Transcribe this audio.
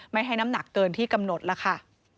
ไม่ให้น้ำหนักเกินที่กำหนดล่ะค่ะ